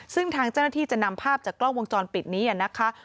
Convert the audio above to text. ซึ่งทางเจ้าหน้าที่จะนำภาพจากกล้องวงจรปิดนี้นะคะ